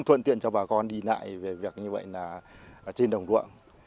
thuận tiện cho bà con đi lại về việc như vậy là trên đồng ruộng